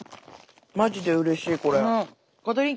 マジでうれしいこれ。